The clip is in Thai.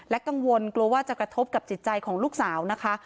กังวลกลัวว่าจะกระทบกับจิตใจของลูกสาวนะคะ